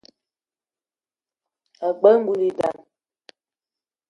Ag͡bela ngoul i nda.